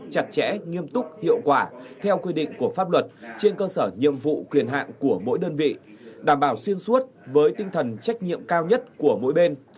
chặt chẽ nghiêm túc hiệu quả theo quy định của pháp luật trên cơ sở nhiệm vụ quyền hạn của mỗi đơn vị đảm bảo xuyên suốt với tinh thần trách nhiệm cao nhất của mỗi bên